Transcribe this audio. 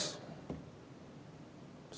saya mungkin tau dia ada perintah kan